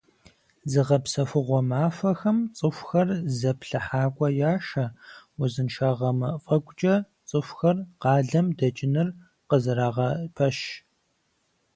Зыгъэпсэхугъуэ махуэхэм цӀыхухэр зыплъыхьакӀуэ яшэ, узыншагъэ мафӀэгукӀэ цӀыхухэр къалэм дэкӀыныр къызэрагъэпэщ.